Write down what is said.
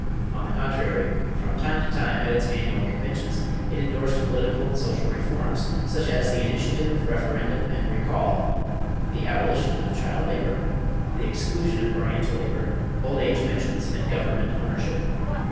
On the contrary, from time to time, at its annual conventions, it endorsed political and social reforms, such as the initiative, referendum, and recall, the abolition of child labor, the exclusion of Oriental labor, old age pensions, and government ownership.